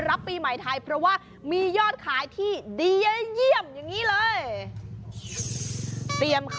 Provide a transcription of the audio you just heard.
รับปีใหม่ไทยเพราะว่ามียอดขายที่เยี่ยม